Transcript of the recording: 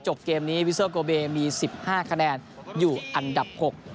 เกมนี้วิโซโกเบมี๑๕คะแนนอยู่อันดับ๖